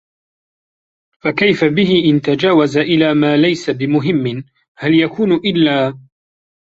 فَكَيْفَ بِهِ إنْ تَجَاوَزَ إلَى مَا لَيْسَ بِمُهِمٍّ هَلْ يَكُونُ إلَّا